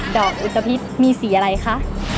ดอกอุตภิษมีสีอะไรคะ